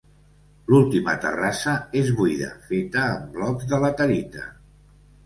L'última terrassa és buida, feta amb blocs de laterita.